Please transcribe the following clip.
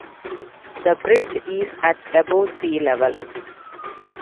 The bridge is at above sea level.